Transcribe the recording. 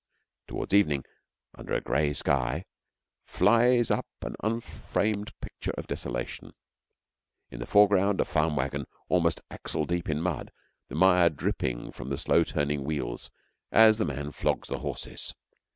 Towards evening, under a gray sky, flies by an unframed picture of desolation. In the foreground a farm wagon almost axle deep in mud, the mire dripping from the slow turning wheels as the man flogs the horses.